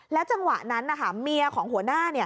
จังหวะนั้นเมียของหัวหน้า